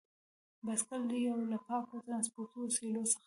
بایسکل یو له پاکو ترانسپورتي وسیلو څخه دی.